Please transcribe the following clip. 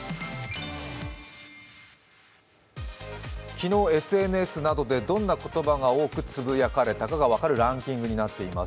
昨日ＳＮＳなどでどんな言葉が多くつぶやかれたかが分かるランキングになっています。